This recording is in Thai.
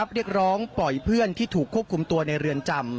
เรียกร้องปล่อยเพื่อนที่ถูกควบคุมตัวในเรือนจำ